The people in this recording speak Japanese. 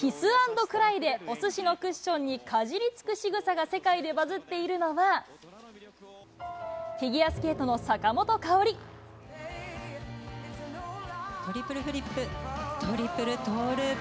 キスアンドクライで、おすしのクッションにかじりつくしぐさが世界でバズっているのは、トリプルフリップ、トリプルトーループ。